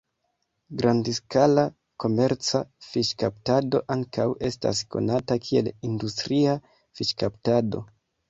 Grandskala komerca fiŝkaptado ankaŭ estas konata kiel industria fiŝkaptado.